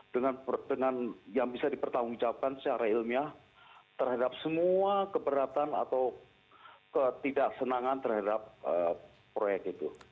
dengan yang bisa dipertanggungjawabkan secara ilmiah terhadap semua keberatan atau ketidaksenangan terhadap proyek itu